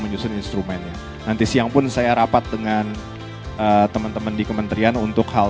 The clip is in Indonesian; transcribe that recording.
menyusun instrumennya nanti siang pun saya rapat dengan teman teman di kementerian untuk hal